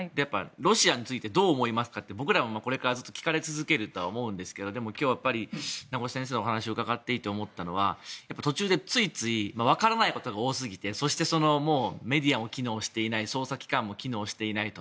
ロシアについてどう思いますかって僕らずっと聞かれ続けると思うんですけどでも、今日はやっぱり名越先生のお話を伺っていて思ったのは途中で、ついつい分からないことが多すぎてそしてメディアも機能していない捜査機関も機能していない。